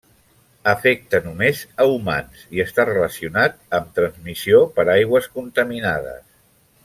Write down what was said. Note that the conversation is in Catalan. Afecta només a humans i està relacionat amb transmissió per aigües contaminades.